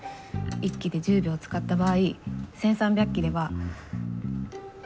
１機で１０秒使った場合１３００機では。